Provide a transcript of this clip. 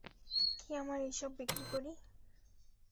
কী, আমরা এইসব বিক্রি করি?